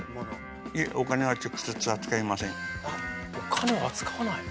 お金を扱わないの？